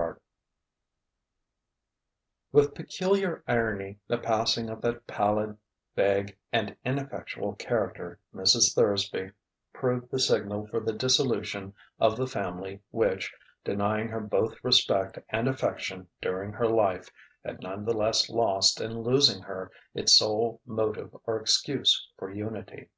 XXXVII With peculiar irony, the passing of that pallid, vague, and ineffectual character, Mrs. Thursby, proved the signal for the dissolution of the family which, denying her both respect and affection during her life, had none the less lost, in losing her, its sole motive or excuse for unity.